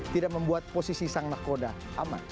tidak membuat posisi sang nakoda aman